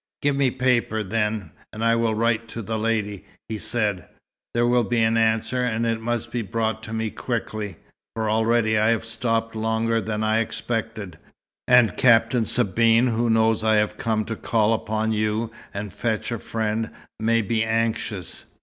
"Give me paper, then, and I will write to the lady," he said. "There will be an answer, and it must be brought to me quickly, for already I have stopped longer than I expected, and Captain Sabine, who knows I have come to call upon you and fetch a friend, may be anxious."